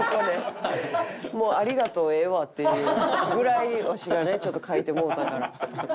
もう「ありがとう」ええわっていうぐらいわしがねちょっと書いてもうたから。